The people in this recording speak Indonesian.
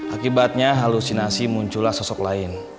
akibatnya halusinasi muncullah sosok lain